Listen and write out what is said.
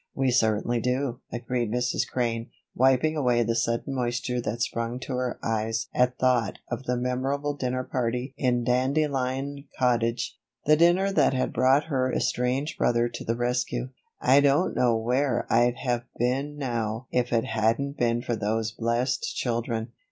"We certainly do," agreed Mrs. Crane, wiping away the sudden moisture that sprung to her eyes at thought of the memorable dinner party in Dandelion Cottage the dinner that had brought her estranged brother to the rescue. "I don't know where I'd have been now if it hadn't been for those blessed children.